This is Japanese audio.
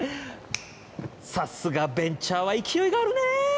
さすがベンチャーは勢いがあるね